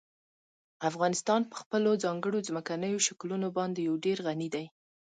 افغانستان په خپلو ځانګړو ځمکنیو شکلونو باندې یو ډېر غني دی.